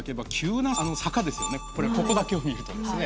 これここだけを見るとですね。